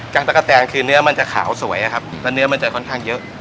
ตะกะแตนคือเนื้อมันจะขาวสวยอะครับแล้วเนื้อมันจะค่อนข้างเยอะ